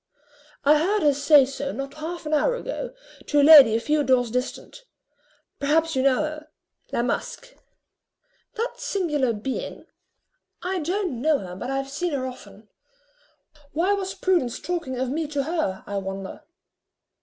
"I heard her say so not half an hour ago, to a lady a few doors distant. Perhaps you know her La Masque." "That singular being! I don't know her; but I have seen her often. Why was Prudence talking of me to her, I wonder?"